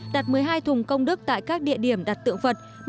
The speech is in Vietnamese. đặt một mươi hai thùng công đức tại các địa điểm đặt tượng vật